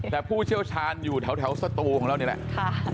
แต่ผู้เชี่ยวชาญอยู่แถวสตูของเรานี่แหละ